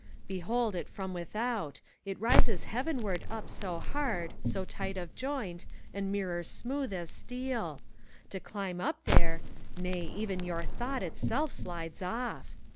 Behold it from without I It rises heavenward up So hard, so tight of joint, and mirror smooth as steel. To climb up there — nay, even your Thought itself slides off!